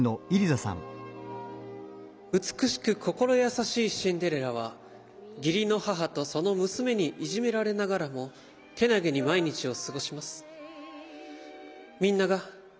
「美しく心優しいシンデレラは義理の母とその娘にいじめられながらもけなげに毎日を過ごします」。